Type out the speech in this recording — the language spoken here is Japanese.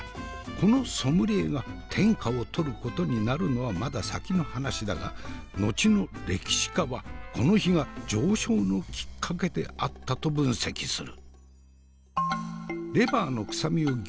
このソムリエが天下を取ることになるのはまだ先の話だが後の歴史家はこの日が上昇のきっかけであったと分析する。